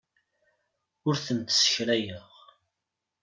Ur tent-ssekrayeɣ.